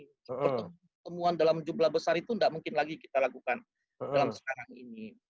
pertemuan pertemuan dalam jumlah besar itu tidak mungkin lagi kita lakukan dalam sekarang ini